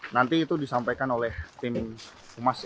nanti itu disampaikan oleh tim emas ya